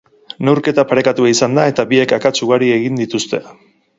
Neurketa parekatua izan da, eta biek akats ugari egin dituzte.